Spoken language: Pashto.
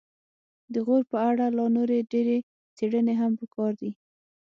د غور په اړه لا نورې ډېرې څیړنې هم پکار دي